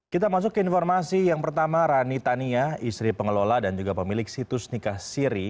kita masuk ke informasi yang pertama rani tania istri pengelola dan juga pemilik situs nikah siri